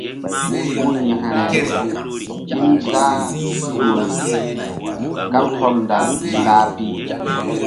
Ku yȩkre dim zah zih wori kaɓ hɔndal ta-a pi.